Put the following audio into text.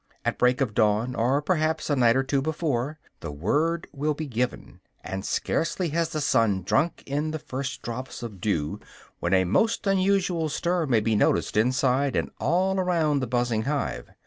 At break of dawn, or perhaps a night or two before, the word will be given; and scarcely has the sun drunk in the first drops of dew when a most unusual stir may be noticed inside and all around the buzzing hive.